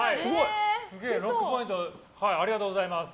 ６ポイントありがとうございます。